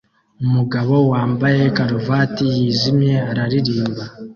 Umugabo wambaye karuvati yijimye araririmba